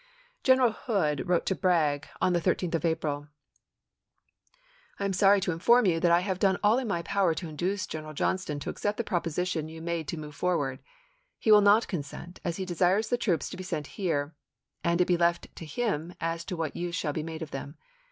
General Hood wrote to Bragg on the 13th of April : "I am sorry to inform you that I have isw. done all in my power to induce General Johnston to accept the proposition you made to move for ward. He will not consent, as he desires the troops to be sent here, and it be left to him as to what use shall be made of them.